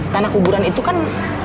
tanah kuburan itu kan